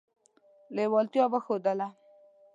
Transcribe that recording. لېوالتیا وښودله.